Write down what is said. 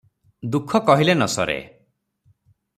ଦୁଃଖ କହିଲେ ନ ସରେ ।